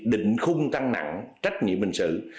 định khung căng nặng trách nhiệm hình sự